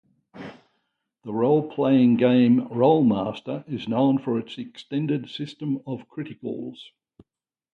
The roleplaying game "Rolemaster" is known for its extended system of criticals.